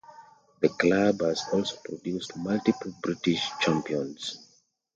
The club has also produced multiple British champions.